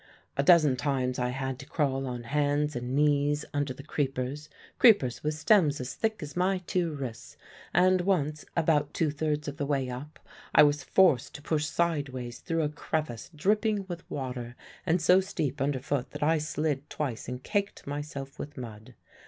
A dozen times I had to crawl on hands and knees under the creepers creepers with stems as thick as my two wrists and once, about two thirds of the way up, I was forced to push sideways through a crevice dripping with water, and so steep under foot that I slid twice and caked myself with mud.